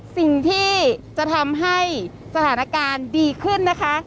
สิ่งที่จะทำให้สถานการณ์ดีขึ้นนะคะ